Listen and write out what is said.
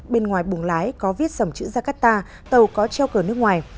bên ngoài bùng lái có viết dòng chữ jakarta tàu có treo cờ nước ngoài